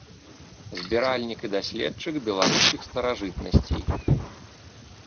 Збіральнік і даследчык беларускіх старажытнасцей.